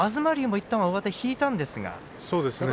いったん上手を引いたんですがね。